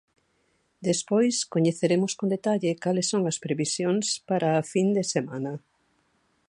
Despois, coñeceremos con detalle cales son as previsións para a fin de semana.